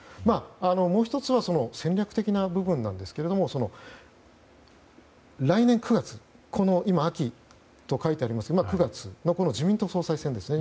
もう１つは戦略的な部分なんですけれども来年９月、秋と書いてある９月の自民党総裁選ですね。